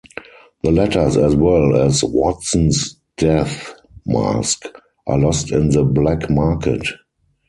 The letters as well as Watson's death mask are lost in the black market.